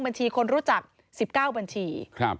บัญชีคนรู้จัก๑๙บัญชี